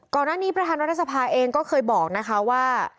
ก่อนหน้านี้ประธานรัฐสภาเองก็เคยบอกนะคะว่า